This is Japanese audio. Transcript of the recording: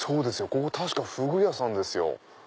ここ確かフグ屋さんですよ。